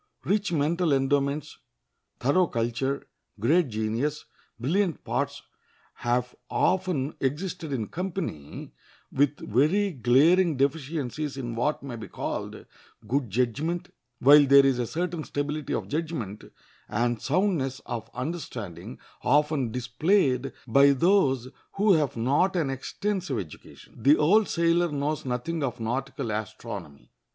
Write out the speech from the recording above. Rich mental endowments, thorough culture, great genius, brilliant parts have often existed in company with very glaring deficiencies in what may be called good judgment; while there is a certain stability of judgment and soundness of understanding often displayed by those who have not an extensive education. The old sailor knows nothing of nautical astronomy.